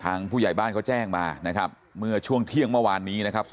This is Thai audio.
ผู้ใหญ่บ้านเขาแจ้งมานะครับเมื่อช่วงเที่ยงเมื่อวานนี้นะครับ